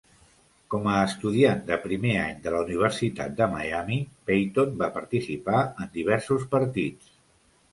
Com a estudiant de primer any de la Universitat de Miami, Payton va participar en diversos partits.